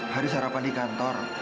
haris sarapan di kantor